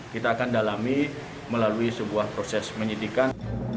kita akan dalami melalui sebuah proses penyidikan